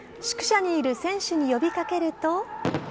宿舎にいる選手呼びかけると。